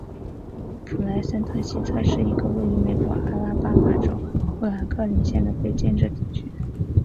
普莱森特西特是一个位于美国阿拉巴马州富兰克林县的非建制地区。